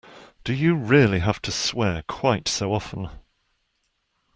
Do you really have to swear quite so often?